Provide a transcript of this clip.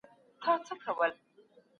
د زعفرانو د انقلاب فصل.